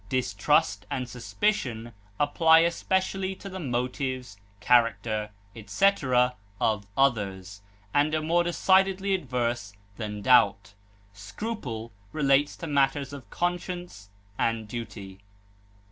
Distrust and suspicion apply especially to the motives, character, etc., of others, and are more decidedly adverse than doubt. Scruple relates to matters of conscience and duty.